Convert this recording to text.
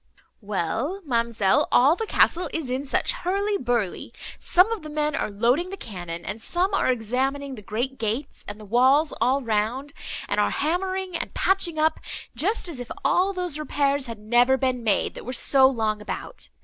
"Well, ma'amselle, all the castle is in such hurly burly. Some of the men are loading the cannon, and some are examining the great gates, and the walls all round, and are hammering and patching up, just as if all those repairs had never been made, that were so long about.